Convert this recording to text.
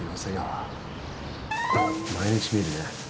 毎日見るね。